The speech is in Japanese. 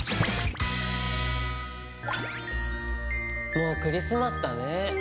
もうクリスマスだね。ね！